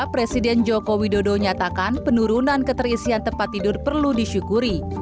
presiden joko widodo nyatakan penurunan keterisian tempat tidur perlu disyukuri